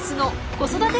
子育て？